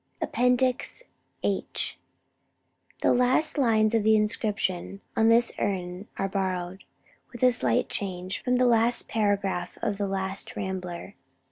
[H 1] The last lines of the inscription on this urn are borrowed, with a slight change, from the last paragraph of the last Rambler/.